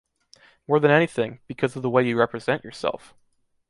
More than anything, because of the way you represent yourself